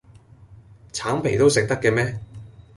橙皮都食得嘅咩